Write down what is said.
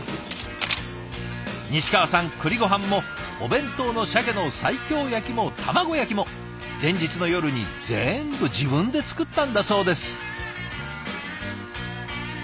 西川さん栗ごはんもお弁当のシャケの西京焼きも卵焼きも前日の夜に全部自分で作ったんだそうです。